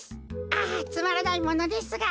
あっつまらないものですが。